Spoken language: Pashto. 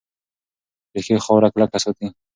ریښې خاوره کلکه ساتي.